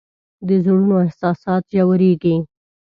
د زړونو احساسات ژورېږي